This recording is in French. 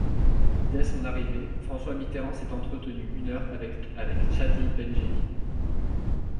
Dès son arrivée, François Mitterrand s'est entretenu une heure avec Chadli Bendjedid.